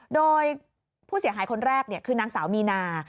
โดยผู้เสียหายคนแรกคือนางสาวมีนา